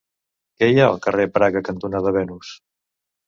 Què hi ha al carrer Praga cantonada Venus?